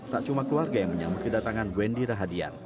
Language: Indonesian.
tak cuma keluarga yang menyambut kedatangan wendy rahadian